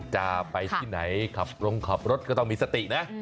จะไปที่ไหนขับลงขับรถก็ต้องมีสตินะ